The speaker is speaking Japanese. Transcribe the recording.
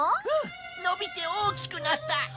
うんのびておおきくなった！